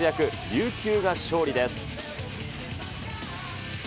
琉球が勝利です。